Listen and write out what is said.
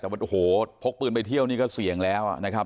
แต่โอ้โหพกปืนไปเที่ยวนี่ก็เสี่ยงแล้วนะครับ